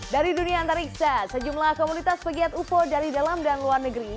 dari dunia antariksa sejumlah komunitas pegiat ufo dari dalam dan luar negeri